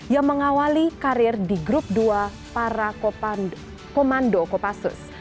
yang mengawali karir di grup dua para komando kopassus